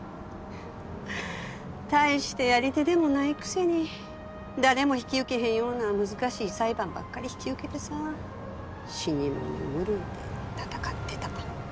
ははっ大してやり手でもないくせに誰も引き受けへんような難しい裁判ばっかり引き受けてさ死に物狂いで闘ってた。